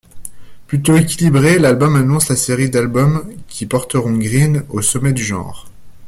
Plutôt équilibré, l'album annonce la série d'albums qui porteront Green au sommet du genre.